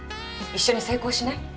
一緒に成功しない？